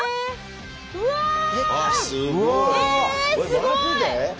すごい！